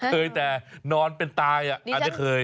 เคยแต่นอนเป็นตายอันนี้เคย